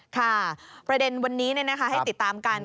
ประเด็นวันนี้ให้ติดตามกัน